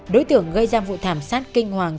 đối tưởng gây ra vụ thảm sát kinh hoàng